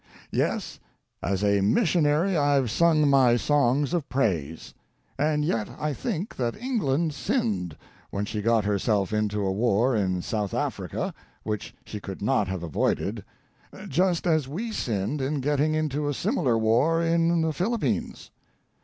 Yes, as a missionary I've sung my songs of praise. And yet I think that England sinned when she got herself into a war in South Africa which she could have avoided, just as we sinned in getting into a similar war in the Philippines.